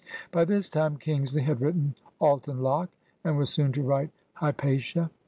By this time Kingsley had written "Alton Locke'' and was soon to write "Hypatia."